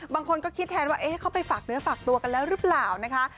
บางคนก็คิดแทนว่าเขาไปฝากเนื้อฝากตัวกันแล้วหรือเปล่านะคะ